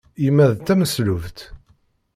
Yemma d tameslubt.